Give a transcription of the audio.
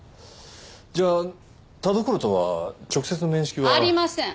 じゃあ田所とは直接の面識は？ありません！